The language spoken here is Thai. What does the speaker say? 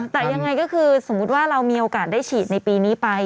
แต่ยังไงก็คือสมมุติว่าเรามีโอกาสได้ฉีดในปีนี้ไป